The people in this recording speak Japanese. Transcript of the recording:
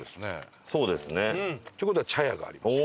そうですね。という事は茶屋があります。